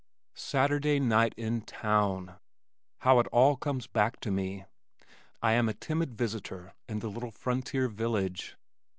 Saturday night in town! How it all comes back to me! I am a timid visitor in the little frontier village.